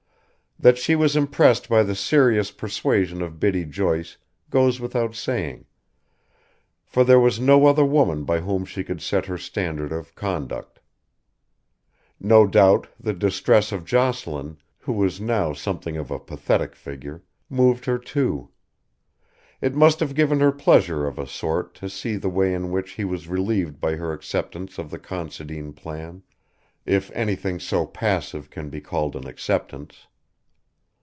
That she was impressed by the serious persuasion of Biddy Joyce goes without saying, for there was no other woman by whom she could set her standard of conduct. No doubt the distress of Jocelyn, who was now something of a pathetic figure, moved her too. It must have given her pleasure of a sort to see the way in which he was relieved by her acceptance of the Considine plan if anything so passive can be called an acceptance.